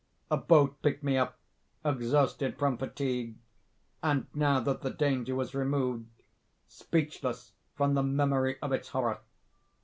A boat picked me up—exhausted from fatigue—and (now that the danger was removed) speechless from the memory of its horror.